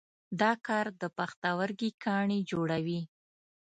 دا کار د پښتورګي کاڼي جوړوي.